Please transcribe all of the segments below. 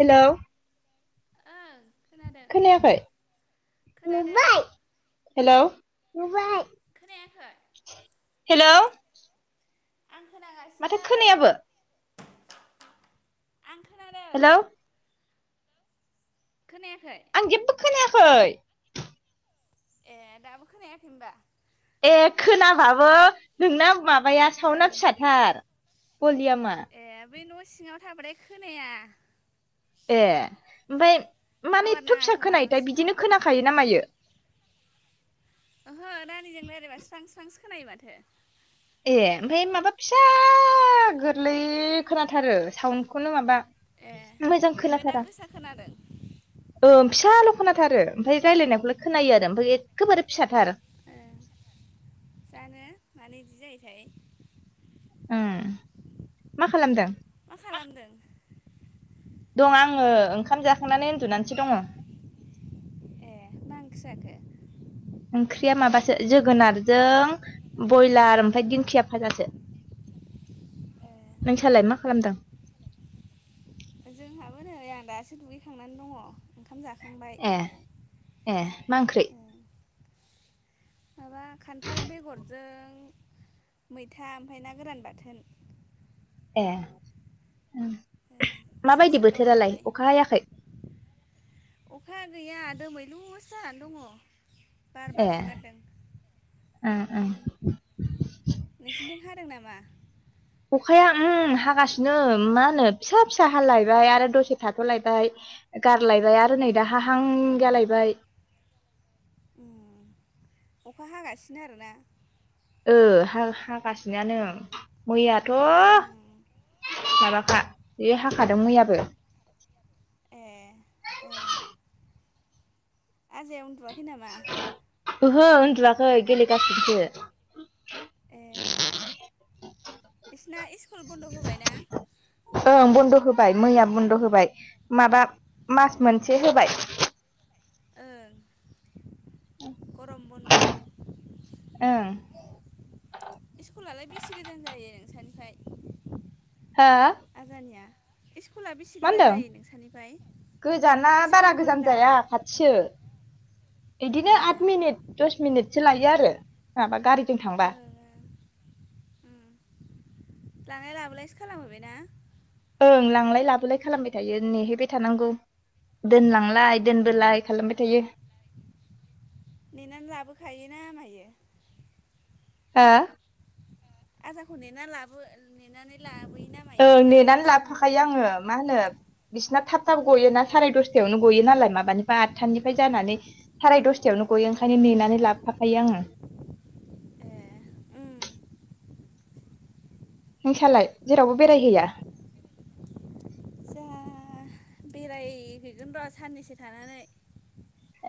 Hello. ओं। खोनादों खोनायाखै खोनादों नुबाय हेलौ नुबाय। खोनायाखै। हेलौ। आं माथो खोनागासिनो। खोनायाबो आं खोनादों। हेलौ खोनायाखै? आं जेबबो खोनायाखै। ए दाबो खोनायाखै होनबा? ए खोनाबाबो नोंना माबाया सावना ओं फिसाथार पलियामा। ए बै न' सिङाव थाबाथाय खोनाया। ए ओमफ्राय माने टावार एथ' नाङा फिसा खोमा न' खोनायोथाय सिङाव बिदिनो खोनाखायो ना मायो? ओहो रानिजों रायज्लायबा स्रां स्रांसो खोनायो माथो। ए ओमफ्राय माबा फिसा गोरलै खोनाथारो साउनखौनो माबा। ए मोजां ओमफ्राय दा खोनाथारा। गोसा खोनादों ओ फिसाल' खोनाथारो ओमफाय रायलायनायखौलाय खोनायो आरो ओमफाय एखेबारे फिसाथार ओ जानो मानो इदि जायोथाय उम मा खालामदों? मा खालामदों? दं आङो ओंखाम जाखांनानै उन्दुनानैसो दङ। ए मा ओंख्रि जाखो? ओंख्रिया माबासो जोगोनारजों बयलार ओमफाय दिंखिया भाजासो। जाखो नोंसालाय मा खालामदों? जोंहाबो नै आं दासो दुगैखांनानै दङ। ओंखाम जाखांबाय ए ए मा ओंख्रि ओ। [inaudible] माबा खान्थाल बेगरजों मैथा ओमफाय ना गोरान बाथोन। ए उम ओ सोर माबायदि सोर दङ बोथोरालाय दालाय अखा हायाखै? अखा गैया दोमैलु सो जानानै दङ। बार ए बारसो गारदों ओं ओं ओम। नोंसिनिथिं हादों नामा? अखाया उम हागासिनो मा होनो फिसा फिसा हालायबाय आरो दसे थाथ'लायबाय। गारलायबाय आरो नै ए दा हाहां जालायबाय। उम अखा हागासिनो आरोना। ओ हागासिनो आनो मैयाथ' उम हो। माबाखा बेयो हाखादों मैयाबो। एह ओं। आजाया उनदुआखै नामा? ओहो उन्दुवाखै गेलेगासिनोसो। ए बिसना इस्कुल बन्द' होबाय ना। ओं बन्द' होबाय मैया बन्द' होबाय माबा ए मास मोनसे होबाय। ओं गरम बन्द'। ओं। इस्कुलालाय बेसे गोजान जायो नोंसानिफ्राय? हो आजानिया? इस्कुला बेसे मा गोजान होनदों जायो नोंसानिफाय इस्कुलखो होनदां। सो इदिनो ए आत मिनिट दस मिनिटसो लायो आरो। माबा गारिजों थां ओ ओ उम लांलाय लाबोलायसो खालामो बे ना? ओं लांलाय लाबोलाय खालामबाय थायो नेहैबाय थानांगौ। दोनलांलाय उम। दोनबोलाय खालामबाय थायो। नेनानै लाबोखायोना मायो? हा? आजाखौ नेना लाबो नेनानै लाबोयोना मायो ओं होनदां नेनानै स्कुलनिफ्राय लाबफाखायो आङो मा होनो बिसिना थाब थाब ओं गयोना साराय दसथायावनो गयो नालाय माबानिफ्राय आतथानिफ्राय जानानै साराय दसथायावनो गयो ए ओंखायनो नेनानै लाबफाखायो आङो। उम नोंसालाय जेरावबो बेरायहैया? जोहा बेरायहैगोन र' साननैसो थानानै।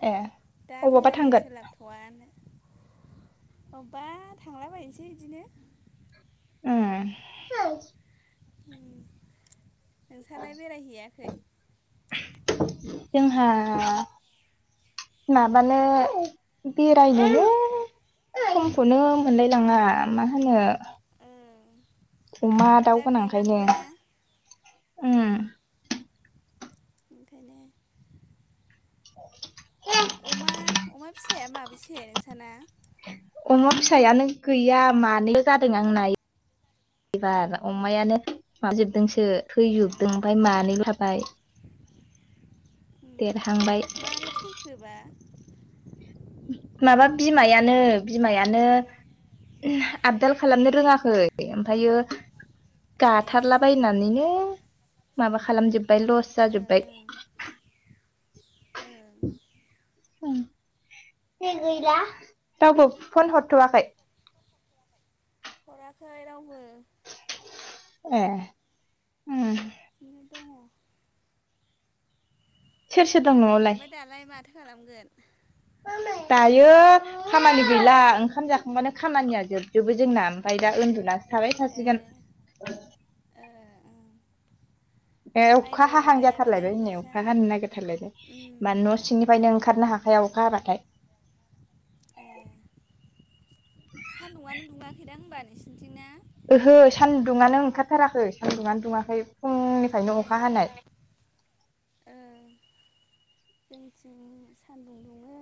ए दा अबावबा बेरायनो थांगोन सोलाब थ'वानो अबबा थांलाबायसै इदिनो। अ नोंस्रालाय बेरायहैयाखै? जोंहा माबानो बेरायनोल' समखौनो मोनलाय लाङा मा होनो ओं खुमा आरो दाउ दा गोनांखायनो दैलांबो ना उम। ओंखायनो अमा अमा फिसाया माबेसे नोंसाना? अमा फिसायानो गैया मानैल' जादों आं नाय एबार अमायानो माबाजोबदोंसो थैजोबदों ए ओमफाय मानैल' थाबाय। देरहांबाय उम मारै थैखोबा? माबा बिमायानो बिमायानो आपदाल खालामनो रोङाखै ओमफायो ए गाथारला बायनानैनो माबा खालामजोबबाय लस जाजोब्बाय ओं ओं ओं। रावबो फन हरथ'वाखै? हराखै रावबो। ए। उम दङ। सोर सोर दं न'आवलाय? ओमफ्राय दालाय माथो खालामगोन? दायो खामानि गैला ओंखाम जाखांबानो खामानिया जोबजोबो जोंना ओमफाय दा उन्दुनासो थाबाय थासिगोन ए ओ ओं। ए अखा माइबो हाहां गायाबालाय जाथारलायबाय हनै नोंसा अखा हानो नागिरथारलायबाय उम मान न' सिंनिफ्रायनो उम उम ओंखारनो हाखाया अख अखा हाबाथाय। ए सान्दुआनो दुङाखैदां होनबा नोंसिनिथिं ना? ओहो सान्दुङानो ओंखारथाराखै सान्दुङानो दुङाखै फुंनिफ्रायनो अखा हानाय। ओं। जोंथिं सान्दुं दुङो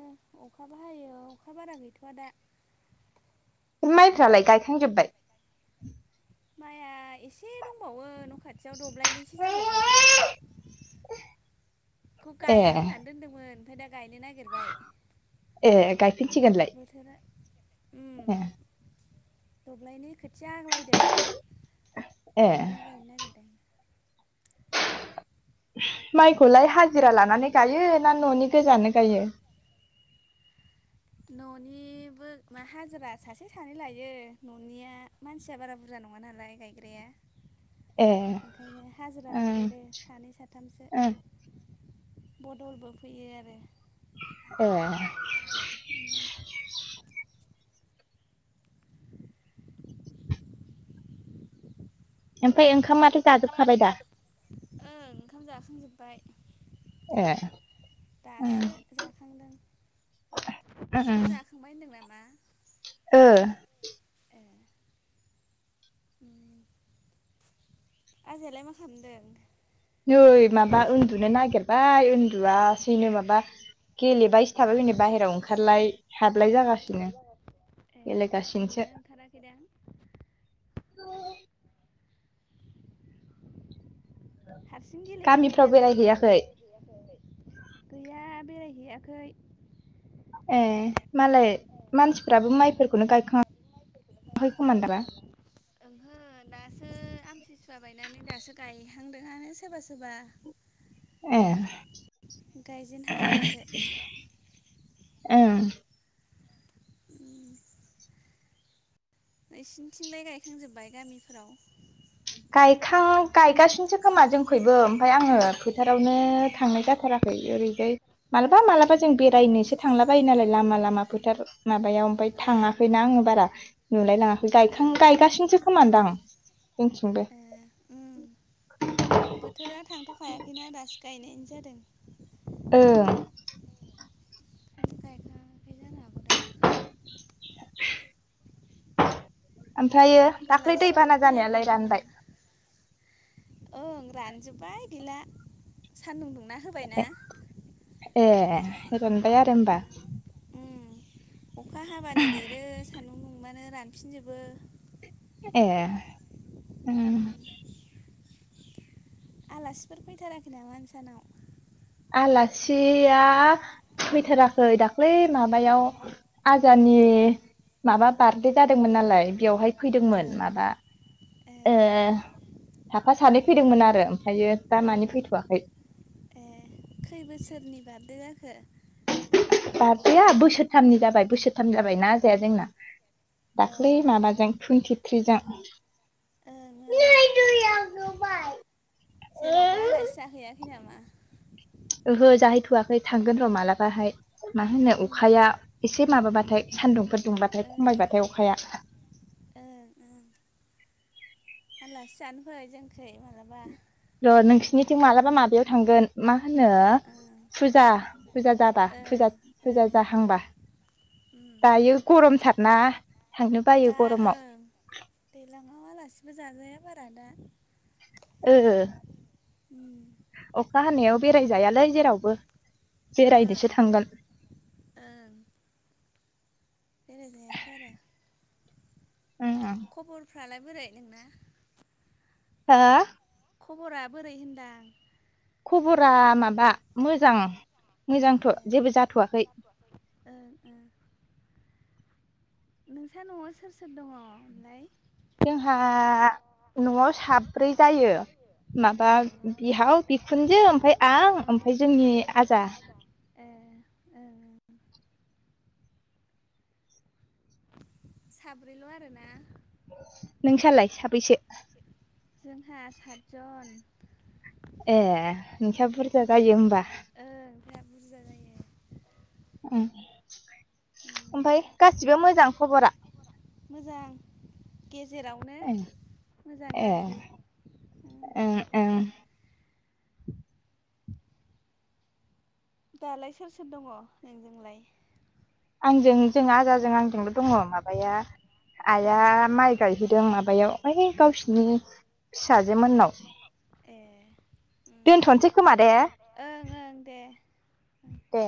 अखाबो हायो अखा बारा गैथ'आ दा। माइफ्रालाय गायखांजोब्बाय माया एसे दंबावो न' खाथियाव दब्लायनसो जाबावगोन। खौ ए गाया होननानै दोनदोंमोन ओमफाय दा गायनो नागिरबाय ए गायफिनसिगोनलाय बोथोरा उम ए दल्बायनै खोथिया आग्लायदों ए खोनो गायनो नागिरदों। माइखौलाय हाजिरा लानानै गायो ना न'नि गोजानो गायो। न'निबो मा हाजिरा सासे सानै लायो न'निया मानसिया बारा बुरजा नङा नालाय गायग्राया ए ओंखायनो हाजिरा ओं लादेरो सानै सा थामसो ओं बदलबो फैयो आरो ए उम ओमफाय ओंखाम आरो ओंखामाथ' जाजोब ओं ओंखाम जाखांजोबबाय। ए ओं दासो जाखांदों [unintelligible] ओं फंबाय होनदों नामा ओ ए उम आजालाय मा खालामदों नै माबा उन्दुनो नागिरबाय उन्दुवासैनो माबा गेलेबाय थाबायै बाहेरायाव ओंखारलाय हाबलाय जागासिनो गेलेगासिनोसो ओंखाराखै दां हारसिं गेलेबाय थायो गामिफ्राव नामा बेलाय बेरायहैयाखै गैया बेरायहैयाखै ए मालाय मानसिफ्राबो माइफोरखौनो गायखांखै खोमाना दामा ओंहो दासो आमतिसुवा बायनानै दासो गायहांदोंआनो सोबा सोबा ए गायजेनहांदोंसो ओं उम नोंसिनिथिंलाय गायखांजोबबाय गामिफोराव गायखां गायगासिनोसो खोमा जोंखैबो ओमफाय आङो फोथारावनो ओ थांनाय जाथारा खै ओरैजाय मालाबा मालाबा जों बेरायनोसो थांला बायो नालाय लामा लामा फोथार माबायाव ओमफाय ओं थाङाखैना आङो बारा नुलायलाङाखैखां गायगासिनोसो खोमादां जोंथिंबो ए उम बोथोरा थांथ'खायाखैना दासिम गायनायानो जादों ओं ओंखायनो गायखांयाखै ओमफायो दाख्लै आलासिफोर दैबाना फैयाखै जानायालाय नामा रानबाय ओं रानजोब्बाय गैला सानदुं दुंना होबायना ए रानबाय आरो होमबा उम अखा हाबानो देरो सान्दुं दुंबानो रानफिनजोबो ए उम आलासिफोर फैथाराखै नामा नोंसानाव आलासिया फैथाराखै दाख्लै माबायाव आजानि माबा बार्डे जादोंमोन नालाय बेवहाय फैदोंमोन ओं माबा। ए ओ साफा सानै फैदोंमोन आरो ओमफायो दा ओं मानि फैथ'वाखै। ए खै बोसोरनि बार्डे जाखो? बार्डेया बोसोरथामनि जाबाय बोसोरथाम जाबाय ना आजाया जोंना, अ दाख्लै माबाजों टुइन्टिथ्रिजों। ओं ओं [unintelligible] जेरावबो आलासि जाहैयाखै नामा? ओहो जाहैथ'वाखै थांगोन र' मालाबाहाय। मानो होनो उम अखाया एसे माबाबाथाय सान्दुंफोर। दुंबाथाय खमायबाथाय ओं अखाया ओं ओं आलासि जानो फै जोंखै मालाबा। र' नोंसोरनिथिं मालाबा माबायाव थांगोन। मा होनो ओं फुजा फुजा जाबा ओं फुजा ओं जाहांबा। उम दायो गरमथारना थांनो बायो गरमाव। ओं दैलाङा आलासिबो जाजाया बारा दा। ओ उम। अखा हानायाव बेरायजायालै जेरावबो। बेरायनोसो ओं थांगोन ओं। बेरायजायाथ' आरो [unintelligible] खबरफ्रालाय बोरै नोंना? हा खबरा बोरै होनदां? खबरा माबा मोजां मोजांथ' ए जेबो जाथ'वाखै। ओं ओ। नोंसा न'आव सोर सोर दङ लाय? जोंहा न'आव साब्रै जायो। माबा बिहाव बिखुनजो ओमफ्राय आं ओमफ्राय जोंनि आजा। साब्रैल' आरोना? नोंसालाय साबैसे? जोंहा सादजन। ए नोंसा बुरजा जायो होमबा। ओं जोंहा बुरजा जायो। ओमफ्राय गासिबो मोजां खबरा? मोजां गेजेरावनो ओं मोजां ए गाज्रि। ओं ओं। दालाय सोर सोर दङ नोंजोंलाय? आंजों जों आजाजों आंजोंल' दङ माबाया आइआ माइ, गायहैदों माबायाव ओइ गावसिनि फिसाजो मोननाव। ए दोनथ'नोसै खोमा दे ओं ओं दे दे।